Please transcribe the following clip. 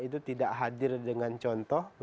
tidak hadir dengan contoh